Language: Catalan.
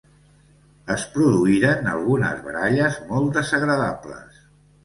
Es produïren algunes baralles molt desagradables